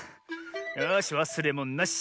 よしわすれものなし。